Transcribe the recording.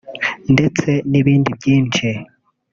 ndetse n’ibindi byinshi